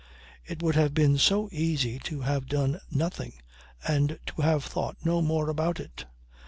It would have been so easy to have done nothing and to have thought no more about it.